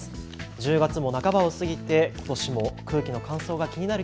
１０月も半ばを過ぎてことしも空気の乾燥が気になる